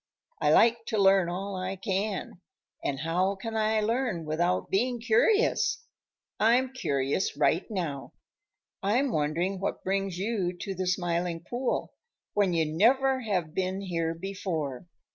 "I like to learn all I can, and how can I learn without being curious? I'm curious right now. I'm wondering what brings you to the Smiling Pool when you never have been here before.